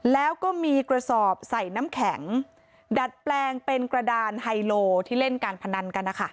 แล้วก็มีกระสอบใส่น้ำแข็งดัดแปลงเป็นกระดานไฮโลที่เล่นการพนันกันนะคะ